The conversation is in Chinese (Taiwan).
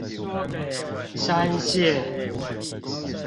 山線